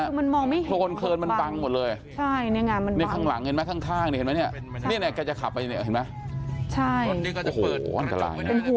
เมื่อกี้เห็นไหมเหมือนที่คุณหืมมาสอนบอก